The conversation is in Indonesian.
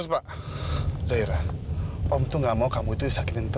maknya misalnya zitir dimintanya